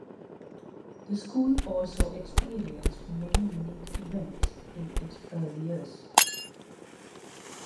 The school also experienced many unique events in its early years.